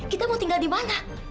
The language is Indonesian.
kita mau tinggal di mana